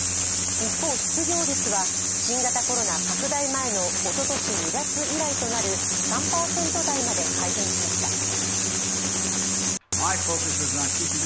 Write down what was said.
一方、失業率は新型コロナ拡大前のおととし２月以来となる３％台まで改善しました。